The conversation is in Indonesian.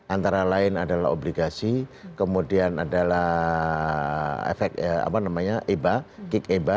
antara lain adalah obligasi kemudian adalah efek apa namanya eba kick eba